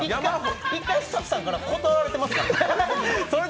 １回、スタッフさんから断られてますからね。